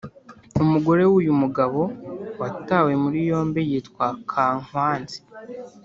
umugore w’uyu mugabo watawe muri yombi yitwa kankwanzi